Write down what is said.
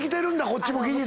こっちも。